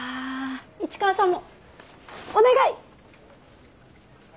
市川さんもお願い！